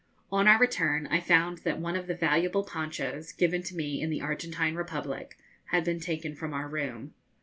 On our return I found that one of the valuable ponchos, given to me in the Argentine Republic, had been taken from our room.